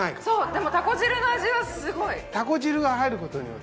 でもタコ汁の味はすごい！